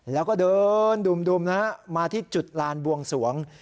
แล้วก็เดินดุ่มนะฮะมาที่จุดลานบวงสวง